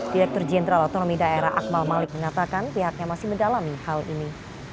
direktur jenderal otonomi daerah akmal malik mengatakan pihaknya masih mendalami hal ini